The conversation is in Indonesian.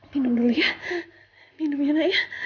nino nungguin aku di luar gak ada